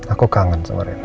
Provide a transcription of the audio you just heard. aku kangen sama rena